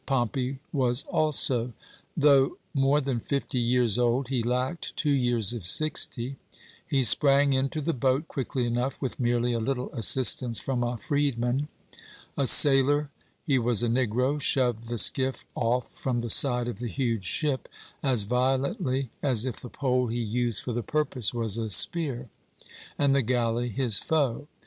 Pompey was also. Though more than fifty years old he lacked two years of sixty he sprang into the boat quickly enough, with merely a little assistance from a freedman. A sailor he was a negro shoved the skiff off from the side of the huge ship as violently as if the pole he used for the purpose was a spear, and the galley his foe.